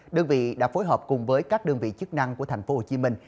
đơn vị đã phối hợp cùng với các đơn vị chức năng của thành phố hồ chí minh